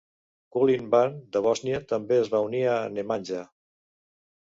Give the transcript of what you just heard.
Kulin Ban de Bòsnia també es va unir a Nemanja.